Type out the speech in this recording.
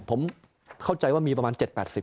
ผมเข้าใจว่ามีประมาณ๗๘๐